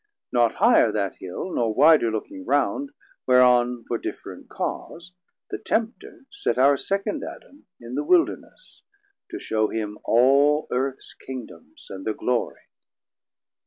380 Not higher that Hill nor wider looking round, Whereon for different cause the Tempter set Our second Adam in the Wilderness, To shew him all Earths Kingdomes and thir Glory.